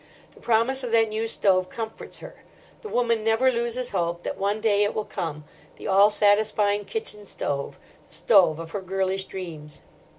The promise of that new stove comforts her. The woman never loses hope that one day it will come—the all satisfying kitchen stove, the stove of her girlish dreams.